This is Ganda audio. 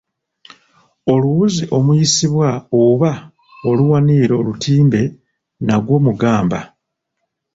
Oluwuzi omuyisibwa oba oluwanirira olutimbe nagwo mugamba.